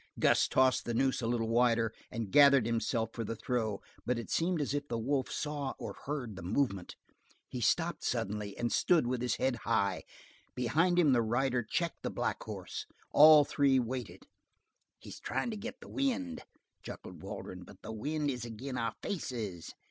Gus tossed the noose a little wider, and gathered himself for the throw, but it seemed as if the wolf saw or heard the movement. He stopped suddenly and stood with his head high; behind him the rider checked the black horse; all three waited. "He's tryin' to get the wind," chuckled Waldron, "but the wind is ag'in' our faces!"